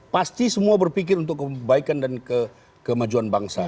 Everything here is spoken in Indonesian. pasti semua berpikir untuk kebaikan dan kemajuan bangsa